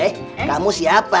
eh kamu siapa